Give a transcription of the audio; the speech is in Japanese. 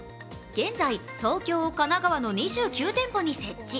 現在、東京、神奈川の２９店舗に設置。